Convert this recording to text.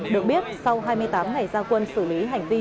được biết sau hai mươi tám ngày gia quân xử lý hành vi